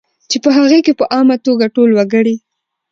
چې په هغې کې په عامه توګه ټول وګړي